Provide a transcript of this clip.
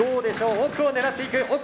奥を狙っていく。